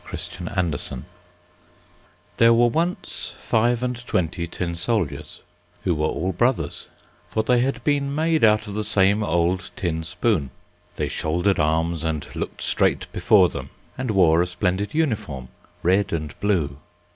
THE BRAVE TIN SOLDIER There were once five and twenty tin soldiers, who were all brothers, for they had been made out of the same old tin spoon. They shouldered arms and looked straight before them, and wore a splendid uniform, red and blue.